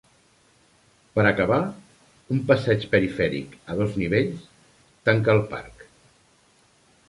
Per acabar, un passeig perifèric a dos nivells tanca el parc.